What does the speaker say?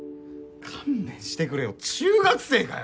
勘弁してくれよ中学生かよ。